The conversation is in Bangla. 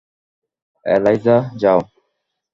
এলাইজা, যাও।